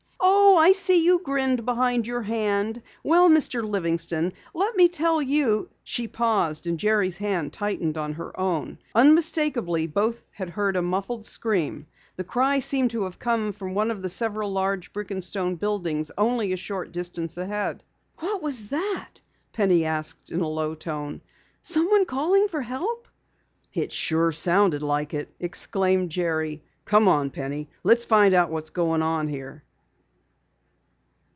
"Oh, I see you grinned behind your hand! Well, Mr. Livingston, let me tell you " She paused, and Jerry's hand tightened on her own. Unmistakably, both had heard a muffled scream. The cry seemed to have come from one of several large brick and stone buildings only a short distance ahead. "What was that?" Penny asked in a low tone. "Someone calling for help?" "It sure sounded like it!" exclaimed Jerry. "Come on, Penny! Let's find out what's going on here!"